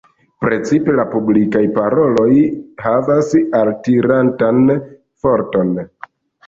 Precipe la publikaj paroloj havas altirantan forton.